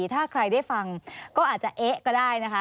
ถ้าใครได้ฟังก็อาจจะเอ๊ะก็ได้นะคะ